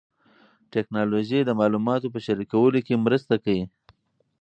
ټیکنالوژي د معلوماتو په شریکولو کې مرسته کوي.